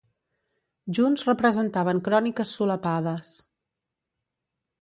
Junts representaven cròniques solapades.